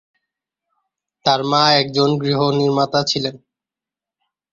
তার মা একজন গৃহ-নির্মাতা ছিলেন।